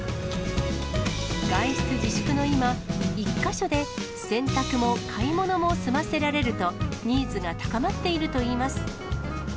外出自粛の今、１か所で洗濯も買い物も済ませられると、ニーズが高まっているといいます。